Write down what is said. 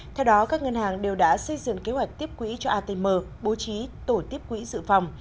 theo đó các ngân hàng đều đã xây dựng kế hoạch tiếp quỹ cho atm bố trí tổ tiếp quỹ dự phòng